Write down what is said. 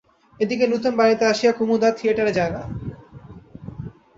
এদিকে নূতন বাড়িতে আসিয়া কুমুদ আর থিয়েটারে যায় না।